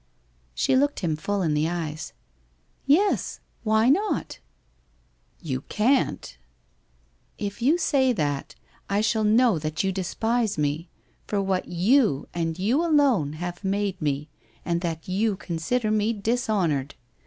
' She looked him full in the eyes. 'Yes. Why not?'' ' You can't.' ' If you say that, I shall know that you despise me — for what you, and you alone, have made me, and that you consider me dishonoured.